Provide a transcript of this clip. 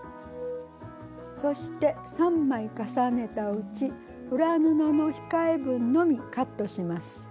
そして３枚重ねたうち裏布の控え分のみカットします。